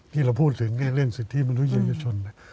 ที่เราพูดถึงเรื่องสิทธิมนุษยชน